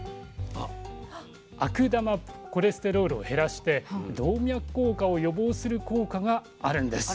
悪玉コレステロールを減らして動脈硬化を予防する効果があるんです。